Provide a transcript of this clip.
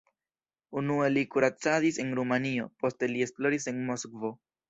Unue li kuracadis en Rumanio, poste li esploris en Moskvo.